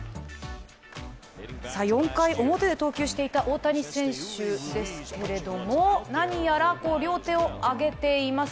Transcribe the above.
４回表で投球していた大谷選手ですけれども、何やら両手を上げています。